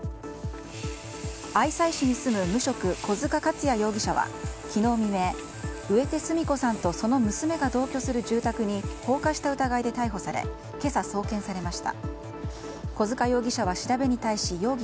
愛西市に住む無職小塚勝也容疑者は昨日未明、植手純子さんとその娘が同居する住宅に放火した疑いで逮捕され今朝、送検されました。